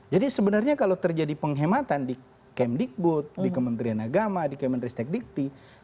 jadi sebenarnya kalau terjadi penghematan di km dikbud di kementerian agama di kementerian stek dikti